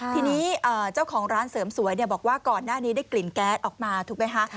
ทีนี้เจ้าของร้านเสริมสวยบอกว่าก่อนหน้านี้ได้กลิ่นแก๊สออกมาถูกไหมคะ